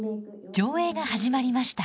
上映が始まりました。